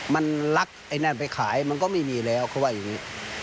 มันลักไอ้นั่นไปขายมันก็ไม่มีแล้วเขาว่าอย่างนี้